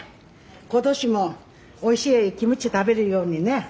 今年もおいしいキムチ食べるようにね。